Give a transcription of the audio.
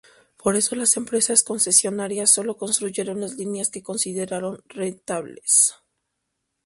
Por eso las empresas concesionarias solo construyeron las líneas que consideraron rentables.